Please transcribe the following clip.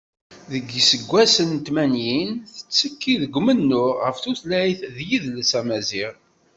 Deg yiseggasen n tmanyin, tettekki deg umennuɣ ɣef tutlayt d yidles amaziɣ.